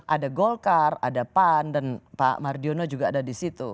ada golkar ada pan dan pak mardiono juga ada di situ